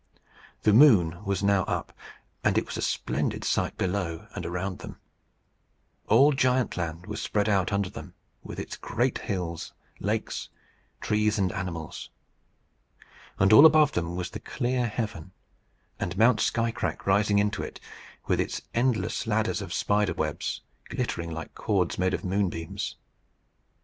The moon was now up, and it was a splendid sight below and around them. All Giantland was spread out under them, with its great hills, lakes, trees, and animals. And all above them was the clear heaven, and Mount Skycrack rising into it, with its endless ladders of spider webs, glittering like cords made of moonbeams.